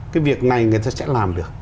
cái việc này người ta sẽ làm được